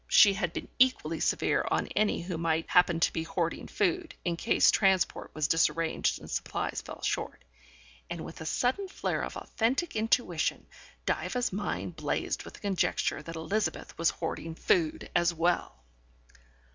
She had been equally severe on any who might happen to be hoarding food, in case transport was disarranged and supplies fell short, and with a sudden flare of authentic intuition, Diva's mind blazed with the conjecture that Elizabeth was hoarding food as well.